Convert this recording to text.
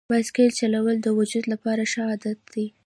بایسکل چلول د وجود لپاره ښه عادت دی.